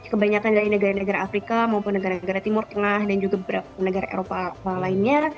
kebanyakan dari negara negara afrika maupun negara negara timur tengah dan juga beberapa negara eropa lainnya